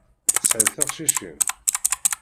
Tesɛiḍ tiqcicin?